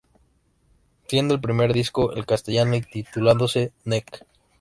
Siendo el primer disco en castellano y titulándose "Nek".